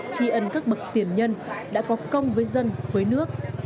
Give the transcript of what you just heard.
tri ân các bậc tiền nhân đã có công với dân với nước